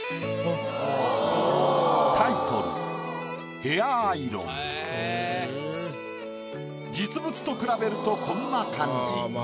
タイトル実物と比べるとこんな感じ。